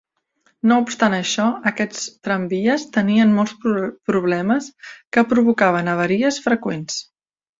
No obstant això, aquests tramvies tenien molts problemes que provocaven avaries freqüents.